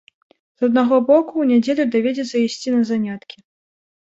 З аднаго боку, у нядзелю давядзецца ісці на заняткі.